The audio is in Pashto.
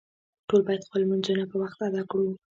ټول باید خپل لمونځونه په وخت ادا کړو